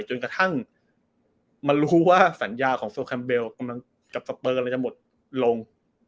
จนกระทั่งมารู้ว่าสัญญาของโซลแคมเบลกับสเตอร์มันจะหมดลง